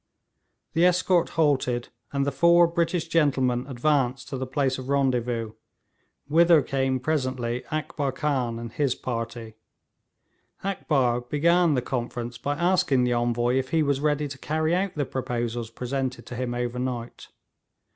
The escort halted, and the four British gentlemen advanced to the place of rendezvous, whither came presently Akbar Khan and his party. Akbar began the conference by asking the Envoy if he was ready to carry out the proposals presented to him overnight.